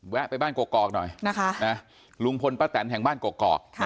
ไปบ้านกอกหน่อยนะคะลุงพลป้าแตนแห่งบ้านกอก